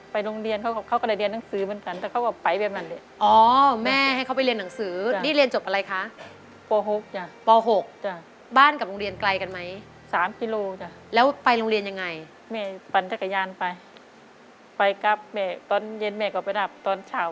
ไปโรงเรียนเค้าก็ได้เรียนหนังสือเหมือนกันแต่เค้าก็ไปไว้ไปนั่น